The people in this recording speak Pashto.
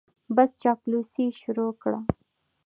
بس چاپلوسي یې شروع کړه.